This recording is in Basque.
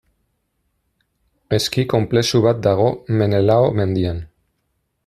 Eski konplexu bat dago Menelao mendian.